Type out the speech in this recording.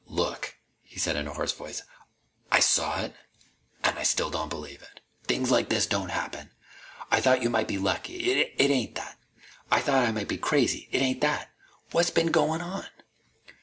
"Look!" he said in a hoarse voice. "I saw it, an' I still don't believe it! Things like this don't happen! I thought you might be lucky. It ain't that. I thought I might be crazy. It ain't that! What has been goin' on?"